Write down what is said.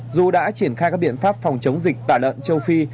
dù đã triển khai các biện pháp phòng chống dịch tả lợn châu phi